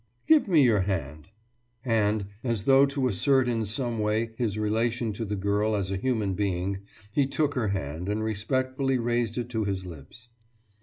« »Give me your hand.« And, as though to assert in some way his relation to the girl as a human being, he took her hand and respectfully raised it to his lips.